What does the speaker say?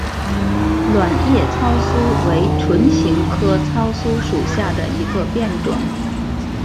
卵叶糙苏为唇形科糙苏属下的一个变种。